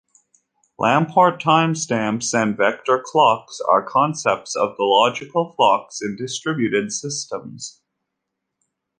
Lamport timestamps and vector clocks are concepts of the logical clocks in distributed systems.